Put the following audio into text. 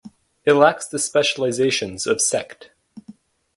It lacks the specializations of sect.